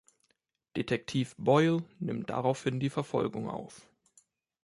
Detektiv Boyle nimmt daraufhin die Verfolgung auf.